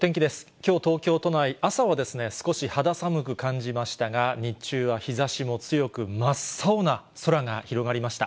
きょう、東京都内、朝は少し肌寒く感じましたが、日中は日ざしも強く、真っ青な空が広がりました。